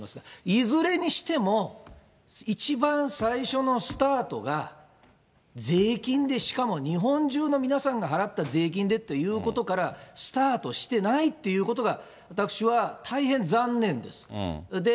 いずれにしても、一番最初のスタートが、税金で、しかも日本中の皆さんが払った税金でということから、スタートしてないっていうことが、私は大変残念です。